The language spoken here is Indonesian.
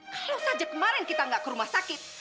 kalau saja kemarin kita nggak ke rumah sakit